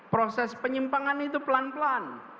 proses penyimpangan itu pelan pelan